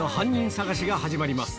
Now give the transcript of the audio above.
捜しが始まります